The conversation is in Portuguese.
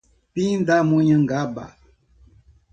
Pindamonhangaba